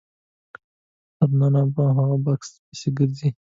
تر ننه په هغه بکس پسې ګرځي.